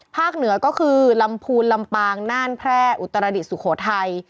เหนือก็คือลำพูนลำปางน่านแพร่อุตรดิษฐสุโขทัย